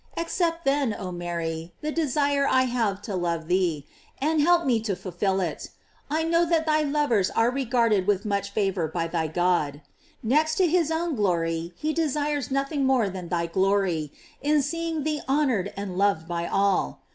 Accept, then, oh Mary, the desire I have to love thee, and help me to fulfil it: I know that thy lovers are regarded with much favor by thy God. Next to his own glory, he desires nothing more than thy glory, in seeing thee honored and loved by all.